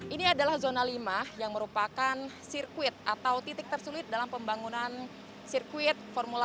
ini adalah zona lima yang merupakan sirkuit atau titik tersulit dalam pembangunan sirkuit formula satu